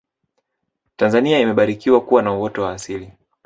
tanzania imebarikiwa kuwa na uoto wa asili